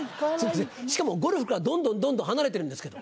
しかもゴルフからどんどんどんどん離れてるんですけど。